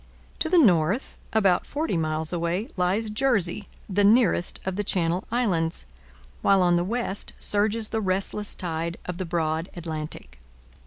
To the north, about forty miles away, lies Jersey, the nearest of the Channel Islands, while on the west surges the restless tide of the broad Atlantic.